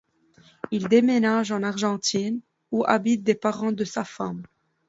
Il déménage en Argentine, où habitent des parents de sa femme.